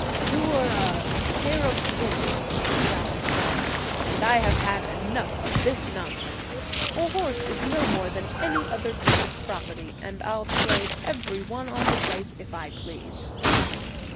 "You're a pair of fools," growled Fred, "and I have had enough of this nonsense! A horse is no more than any other piece of property, and I'll trade every one on the place if I please."